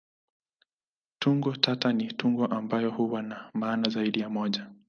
Tungo tata ni tungo ambayo huwa na maana zaidi ya moja.